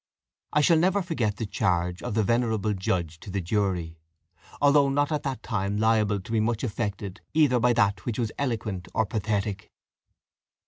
I shall never forget the charge of the venerable judge to the jury, although not at that time liable to be much affected either by that which was eloquent or pathetic.